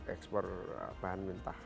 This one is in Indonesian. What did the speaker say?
ekspor bahan minta